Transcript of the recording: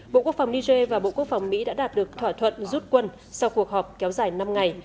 bộ quốc phòng niger và bộ quốc phòng mỹ đã đạt được thỏa thuận rút quân sau cuộc họp kéo dài năm ngày